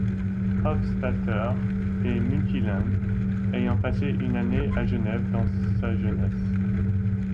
Hofstadter est multilingue, ayant passé une année à Genève dans sa jeunesse.